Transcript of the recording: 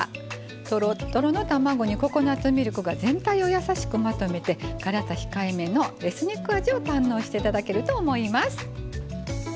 とろとろの卵にココナツミルクが全体をやさしくまとめて辛さ控えめのエスニック味を堪能していただけると思います。